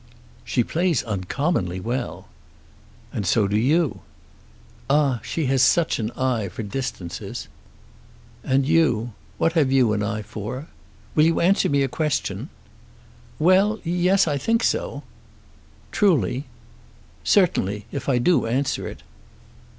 "She plays uncommonly well." "And so do you." "Ah, she has such an eye for distances." "And you, what have you an eye for? Will you answer me a question?" "Well; yes; I think so." "Truly." "Certainly; if I do answer it."